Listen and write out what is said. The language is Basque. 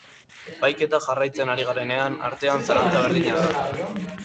Epaiketa jarraitzen ari garenen artean zalantza berdina da.